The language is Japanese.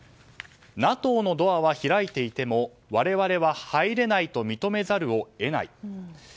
ＮＡＴＯのドアは開いていても我々は入れないと認めざるを得ない。